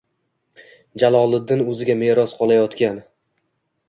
Jaloliddin o‘ziga meros qolayotgan.